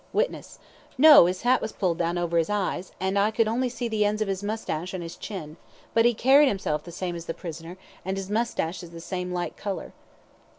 WITNESS: No, his hat was pulled down over his eyes, and I could only see the ends of his moustache and his chin, but he carried himself the same as the prisoner, and his moustache is the same light colour.